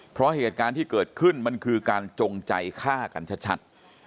เพราะเหตุการณ์ที่เกิดขึ้นมันคือการจงใจฆ่ากันชัด